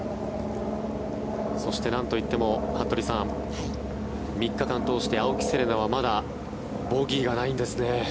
そして、なんといっても服部さん、３日間通して青木瀬令奈はまだボギーがないんですね。